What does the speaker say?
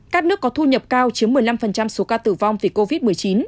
các nước có thu nhập cao chiếm một mươi năm số ca tử vong vì covid một mươi chín